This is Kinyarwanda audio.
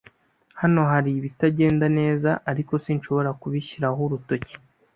Hano hari ibitagenda neza, ariko sinshobora kubishyiraho urutoki.